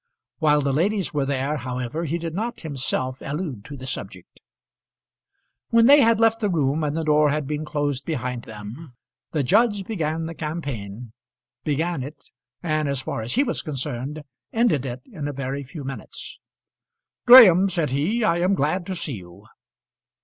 While the ladies were there, however, he did not himself allude to the subject. When they had left the room and the door had been closed behind them, the judge began the campaign began it, and as far as he was concerned, ended it in a very few minutes. "Graham," said he, "I am glad to see you."